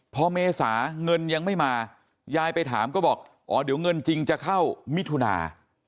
พอเมษาเงินยังไม่มายายไปถามก็บอกอ๋อเดี๋ยวเงินจริงจะเข้ามิถุนา